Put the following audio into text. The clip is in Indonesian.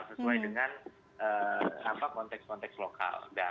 sesuai dengan konteks konteks lokal